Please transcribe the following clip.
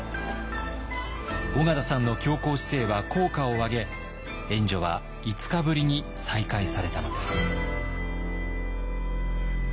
緒方さんの強硬姿勢は効果を上げ援助は５日ぶりに再開されたのです。